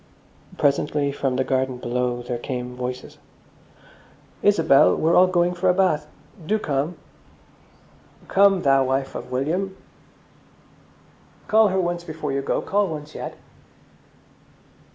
Presently from the garden below there came voices. "Isabel, we're all going for a bathe. Do come!" "Come, thou wife of William!" "Call her once before you go, call once yet!"